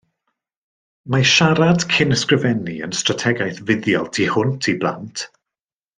Mae siarad cyn ysgrifennu yn strategaeth fuddiol tu hwnt i blant